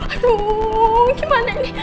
aduh gimana ini